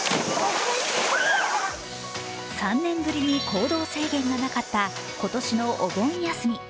３年ぶりに行動制限がなかった今年のお盆休み。